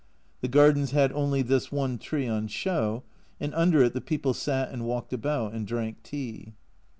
The gardens had only this one tree on show, and under it the people sat and walked about and drank tea.